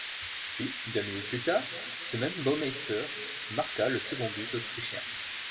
Puis, deux minutes plus tard, ce même Baumeister marqua le second but autrichien.